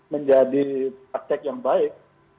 menjadi praktek yang baik